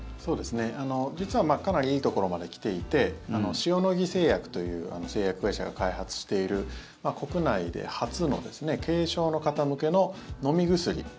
実はかなりいいところまで来ていて塩野義製薬という製薬会社が開発している国内で初の軽症の方向けの飲み薬。